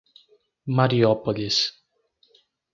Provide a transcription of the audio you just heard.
Mariópolis